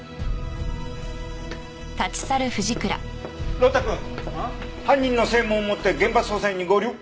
呂太くん犯人の声紋を持って現場捜査員に合流。